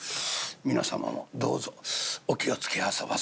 皆様もどうぞお気を付けあそばせ」。